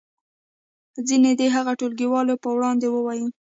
ځینې دې هغه ټولګیوالو په وړاندې ووایي.